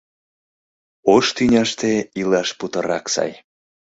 Ош тӱняште илаш путырак сай...